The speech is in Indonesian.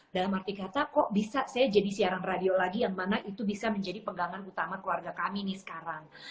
dalam arti kata kok bisa saya jadi siaran radio lagi yang mana itu bisa menjadi pegangan utama keluarga kami nih sekarang